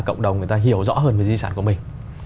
cộng đồng người ta hiểu rõ hơn về di sản của mình